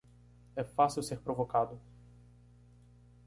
É fácil ser provocado